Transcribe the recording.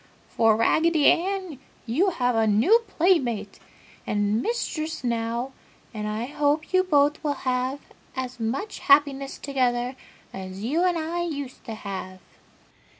For, Raggedy Ann, you have a new playmate and mistress now, and I hope you both will have as much happiness together as you and I used to have!"